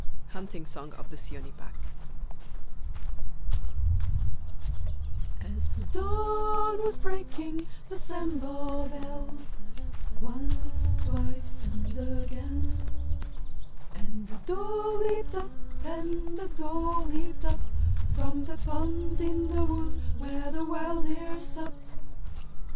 Hunting Song of the Seeonee Pack As the dawn was breaking the Sambhur belled Once, twice and again! And a doe leaped up, and a doe leaped up From the pond in the wood where the wild deer sup.